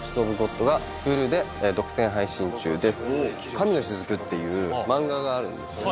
『神の雫』っていう漫画があるんですけど。